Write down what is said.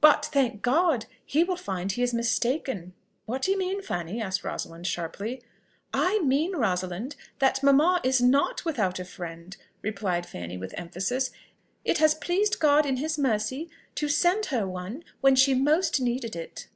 But, thank God! he will find he is mistaken." "What do you mean, Fanny?" said Rosalind sharply. "I mean, Rosalind, that mamma is not without a friend," replied Fanny with emphasis. "It has pleased God in his mercy to send her one when she most needed it."